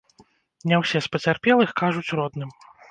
Не ўсе з пацярпелых кажуць родным.